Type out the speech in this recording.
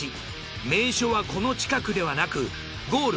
名所はこの近くではなくゴール